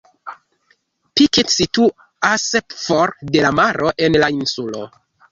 Pikit situas for de la maro en la insulo.